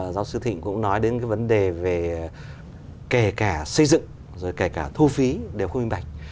giáo sư thịnh cũng nói đến cái vấn đề về kể cả xây dựng rồi kể cả thu phí đều không minh bạch